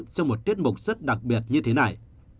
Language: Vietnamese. trong một tiết mục rất đặc biệt như thế này